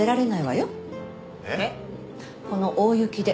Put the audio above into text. この大雪で。